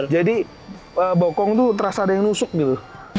jadi bokong tuh terasa ada yang nusuk gitu